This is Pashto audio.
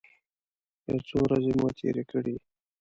یو څو ورځې مو تېرې کړې.